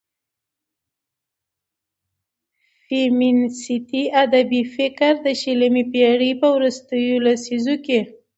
فيمينستي ادبي فکر د شلمې پېړيو په وروستيو لسيزو کې